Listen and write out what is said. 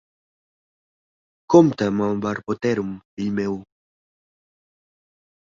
Compte amb el Barboterum, fill meu!